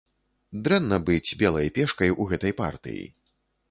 Дрэнна быць белай пешкай у гэтай партыі.